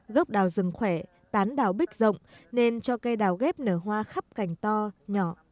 gốc đào rừng khỏe tán đào bích rộng nên cho cây đào ghép nở hoa khắp cành to nhỏ